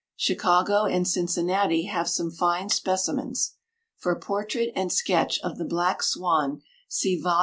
Chicago and Cincinnati have some fine specimens. For portrait and sketch of the black swan, see Vol.